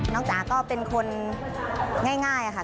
จ๋าก็เป็นคนง่ายค่ะ